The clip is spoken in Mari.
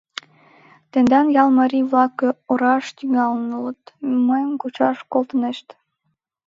Тендан ял марий-влак ораш тӱҥалын улыт: мыйым кӱчаш колтынешт...